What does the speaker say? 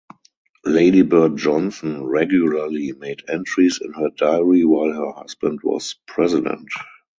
Lady Bird Johnson regularly made entries in her diary while her husband was president.